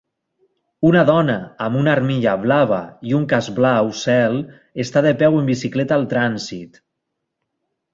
Una dona amb una armilla blava i un casc blau cel està de peu en bicicleta al trànsit.